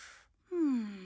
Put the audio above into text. うん。